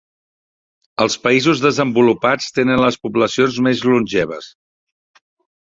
Els països desenvolupats tenen les poblacions més longeves.